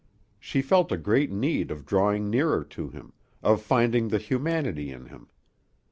She felt a great need of drawing nearer to him, of finding the humanity in him.